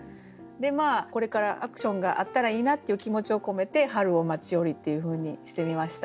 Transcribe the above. これからアクションがあったらいいなっていう気持ちを込めて「春を待ちおり」っていうふうにしてみました。